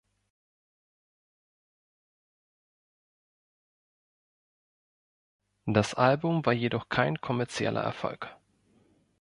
Das Album war jedoch kein kommerzieller Erfolg.